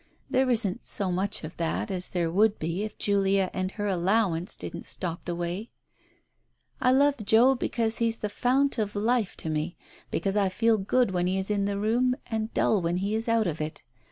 There isn't so much of that as there would be if Julia and her allowance didn't stop the way 1 I love Joe because he's the fount of life to me, because I feel good when he is in the room, and dull when he is out of it.